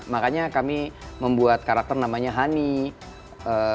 makanya kami membuat karakter namanya honey